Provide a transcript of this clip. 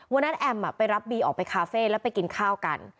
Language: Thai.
แอมไปรับบีออกไปคาเฟ่แล้วไปกินข้าวกัน